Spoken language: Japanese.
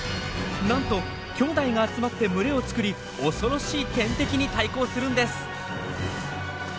なんときょうだいが集まって群れを作り恐ろしい天敵に対抗するんです！